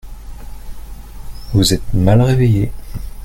Vous êtes mal réveillé.